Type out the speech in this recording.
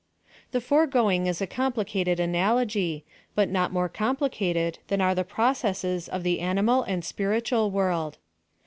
The foregoing is a complicated analogy, but nol more complicated than are the processes of tlie ani mal and spiritual world.